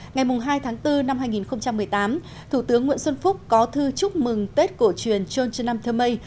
ngày hai tháng bốn năm hai nghìn một mươi tám thủ tướng nguyễn xuân phúc có thư chúc mừng tết cổ truyền trôn trân nam thơ mây